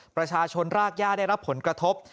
ประชาชนรากย่าได้รับผลกระทบ